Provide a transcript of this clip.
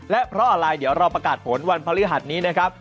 และเพราะอะไรเดี๋ยวเราประกาศผลวันพฤหัสนี้นะครับ